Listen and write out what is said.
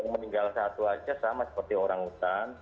meninggal satu aja sama seperti orangutan